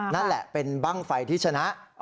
นั่นแหละเป็นบ้างไฟที่ชนะ